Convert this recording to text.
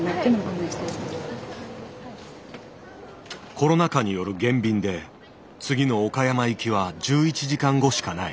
コロナ禍による減便で次の岡山行きは１１時間後しかない。